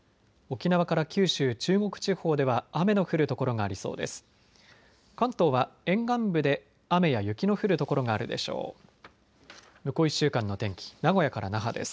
沖縄から九州、中国地方では雨の降る所がありそうです。